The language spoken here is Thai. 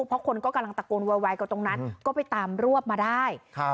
เพราะคนก็กำลังตะโกนโวยวายกับตรงนั้นก็ไปตามรวบมาได้ครับ